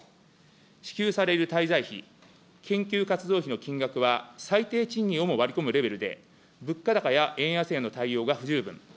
支給される滞在費、研究活動費の金額は最低賃金をも割り込むレベルで、物価高や円安への対応が不十分。